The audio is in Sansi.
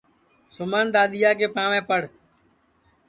سُمن دؔادیا کے پاںٚوے پڑ